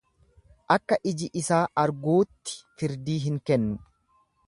Akka iji isaa arguutti firdii hin kennu.